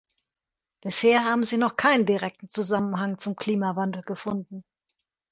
Bisher haben sie noch keinen direkten Zusammenhang zum Klimawandel gefunden.